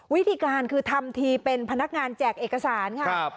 วิธีการคือทำทีเป็นพนักงานแจกเอกสารค่ะ